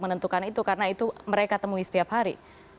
menentukan itu karena itu mereka temui setiap hari